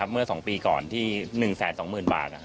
เมื่อ๒ปีก่อนที่๑๒๐๐๐บาท